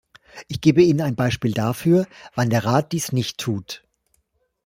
Ich gebe Ihnen ein Beispiel dafür, wann der Rat dies nicht tut.